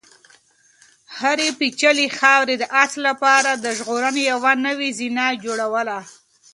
هرې بیلچې خاورې د آس لپاره د ژغورنې یوه نوې زینه جوړوله.